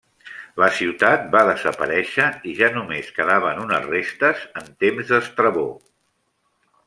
La ciutat va desaparèixer i ja només quedaven unes restes en temps d'Estrabó.